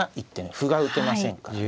歩が打てませんからね。